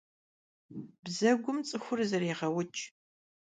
Bzegum ts'ıxur zerêğeuç'.